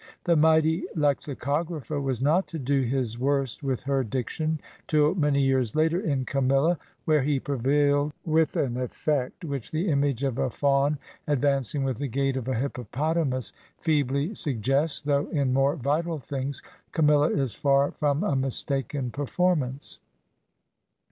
The mighty lexicographer was not to do his worst with her diction till many years later in " Camilla,"' where he prevailed with an effect which the image of a fawn advancing with the gait of a hippopotamus feebly 24 Digitized by VjOOQIC TWO HEROINES OF MARIA EDGEWORTH'S suggests, though in more vital things " Camilla'' is far from a mistaken performance.